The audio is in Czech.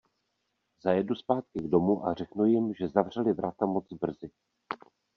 Zajedu zpátky k domu a řeknu jim, že zavřeli vrata moc brzy.